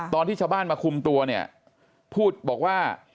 ตอนที่ชาวบ้านมาคุมตัวเนี่ยพูดบอกว่า